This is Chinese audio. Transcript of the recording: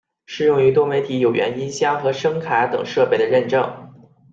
适用于多媒体有源音箱和声卡等设备的认证。